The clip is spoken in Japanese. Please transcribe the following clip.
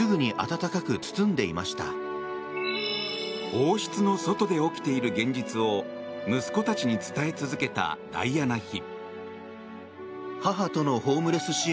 王室の外で起きている現実を息子たちに伝え続けたダイアナ妃。